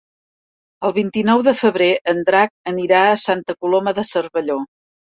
El vint-i-nou de febrer en Drac anirà a Santa Coloma de Cervelló.